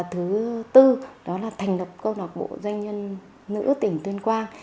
thứ tư đó là thành lập công đọc bộ doanh nhân nữ tỉnh tuyên quang